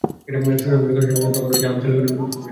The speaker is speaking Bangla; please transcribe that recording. সুশান্তি যখন এসব কথা বলছিল, তখন আমি চলে গিয়েছিলাম কোন সুদূরে।